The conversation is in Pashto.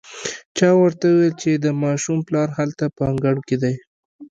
چا ورته وويل چې د ماشوم پلار هلته په انګړ کې دی.